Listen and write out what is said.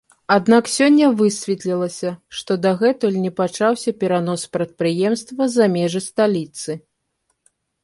Аднак сёння высветлілася, што дагэтуль не пачаўся перанос прадпрыемства за межы сталіцы.